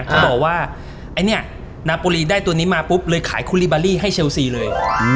เขาบอกว่านะปุลีได้ตัวนี้มาปุ๊บเลยขายคุริบารีให้เชลศีเลย